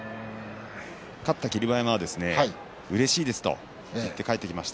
勝った霧馬山はうれしいですと言って帰ってきました。